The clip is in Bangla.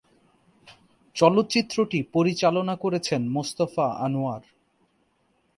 চলচ্চিত্রটি পরিচালনা করেছেন মোস্তফা আনোয়ার।